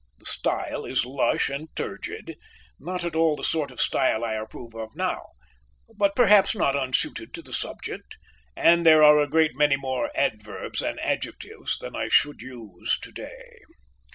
The style is lush and turgid, not at all the sort of style I approve of now, but perhaps not unsuited to the subject; and there are a great many more adverbs and adjectives than I should use today.